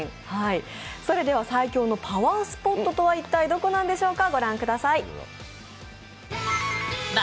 最強のパワースポットとはどこなんでしょうか。